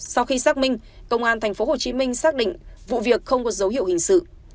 sau khi xác minh công an tp hcm xác định vụ việc không có dấu hiệu hình sự